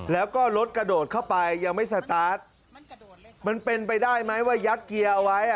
แล้วก็รถกระโดดเข้าไปยังไม่สตาร์ทมันเป็นไปได้ไหมว่ายัดเกียร์เอาไว้